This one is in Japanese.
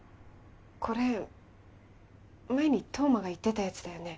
これ前に冬馬が言ってたやつだよね